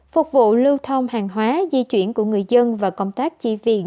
phục vụ lưu thông hàng hóa di chuyển của người dân và công tác chi viện